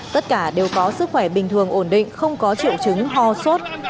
tất cả đều có sức khỏe bình thường ổn định không có triệu chứng ho sốt